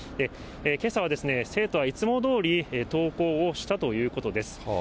けさは生徒はいつもどおり登校をしたということです。